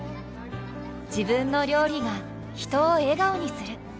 自分の料理が人を笑顔にする。